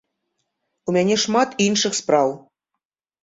У мяне шмат іншых спраў.